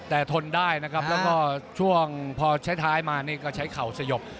แต่ทนได้นะครับแล้วก็ช่วงพอใช้ท้ายมานี่ก็ใช้เข่าสยบ